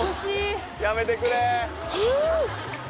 やめてくれ！